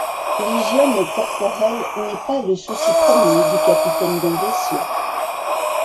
L'hygiène corporelle n'est pas le souci premier du capitaine d'un vaisseau.